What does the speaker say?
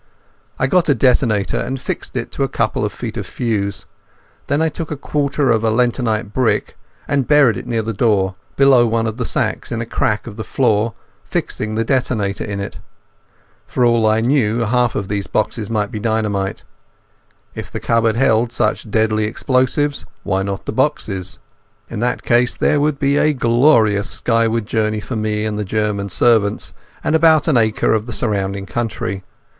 I got a detonator, and fixed it to a couple of feet of fuse. Then I took a quarter of a lentonite brick, and buried it near the door below one of the sacks in a crack of the floor, fixing the detonator in it. For all I knew half those boxes might be dynamite. If the cupboard held such deadly explosives, why not the boxes? In that case there would be a glorious skyward journey for me and the German servants and about an acre of surrounding country.